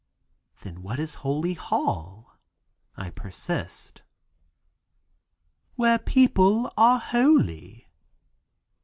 "Then what is Holy Hall?" I persist. "Where people are holy."